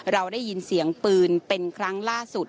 เราได้ยินเสียงปืนเป็นครั้งล่าสุด